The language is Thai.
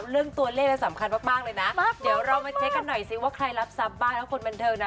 เรื่องตัวเลขสำคัญมากเลยนะเดี๋ยวเรามาเช็คกันหน่อยสิว่าใครรับทรัพย์บ้างนะคนบันเทิงนะ